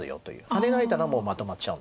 ハネられたらもうまとまっちゃう。